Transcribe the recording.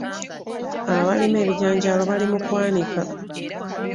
Abaalima ebijanjaalo bali mu kwanika.